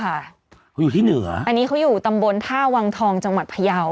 เขาอยู่ที่เหนืออันนี้เขาอยู่ตำบลท่าวังทองจังหวัดพยาว